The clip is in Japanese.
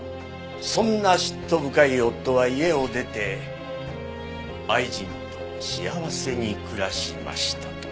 そんな嫉妬深い夫は家を出て愛人と幸せに暮らしましたとさ。